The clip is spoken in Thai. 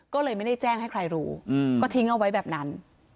ก็เลยไม่ได้แจ้งให้ใครรู้ก็ทิ้งเอาไว้แบบนั้น